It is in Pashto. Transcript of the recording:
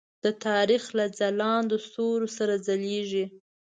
د تاریخ له ځلاندو ستورو سره ځلیږي.